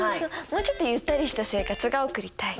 もうちょっとゆったりした生活が送りたい。